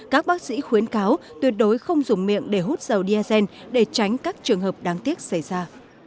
các bác sĩ khuyến cáo tuyệt đối không dùng miệng để hút dầu diazen để tránh các trường hợp đáng tiếc xảy ra